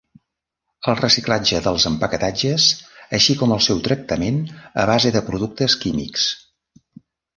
El reciclatge dels empaquetatges així com el seu tractament a base de productes químics.